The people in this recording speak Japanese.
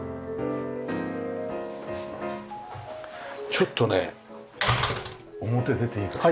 ちょっとね表出ていいかしら？